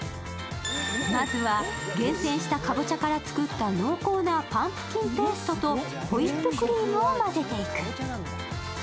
まずは、厳選したかぼちゃから作った濃厚なパンプキンペーストとホイップクリームを混ぜていく。